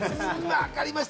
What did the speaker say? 分かりました。